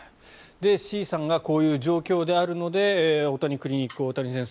Ｃさんがこういう状況であるので大谷クリニック、大谷先生